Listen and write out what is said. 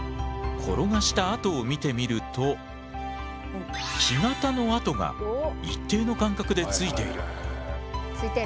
転がした跡を見てみると木型の跡が一定の間隔でついている。